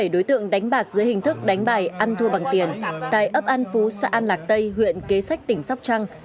bảy đối tượng đánh bạc dưới hình thức đánh bài ăn thua bằng tiền tại ấp an phú xã an lạc tây huyện kế sách tỉnh sóc trăng